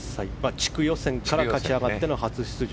地区予選から勝ち上がっての初出場。